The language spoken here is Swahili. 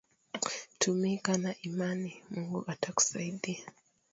Tumika na imani Mungu atakusaidia